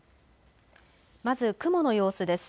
まず雲の様子です。